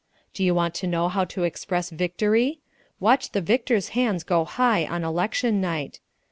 Do you want to know how to express victory? Watch the victors' hands go high on election night.